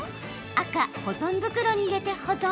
赤・保存袋に入れて保存？